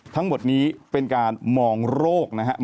ทั้งหมดนี้เป็นการมองโรคนะครับ